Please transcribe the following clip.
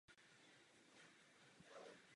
Mrazové pochody vytvořily rozsáhlá kamenná moře.